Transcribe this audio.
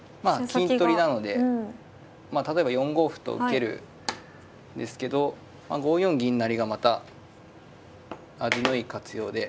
金取りなので例えば４五歩と受けるんですけど５四銀成がまた味のいい活用で。